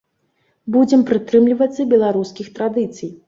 Будзем прытрымлівацца беларускіх традыцый.